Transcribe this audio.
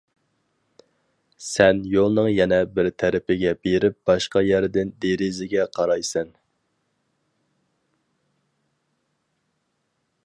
سەن يولنىڭ يەنە بىر تەرىپىگە بېرىپ باشقا يەردىن دېرىزىگە قارايسەن.